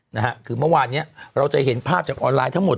นะฮะคือเมื่อวานเนี้ยเราจะเห็นภาพจากออนไลน์ทั้งหมด